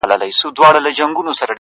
• دا سفر یو طرفه دی نسته لار د ستنېدلو ,